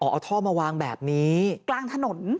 เอาท่อมาวางแบบนี้กลางถนน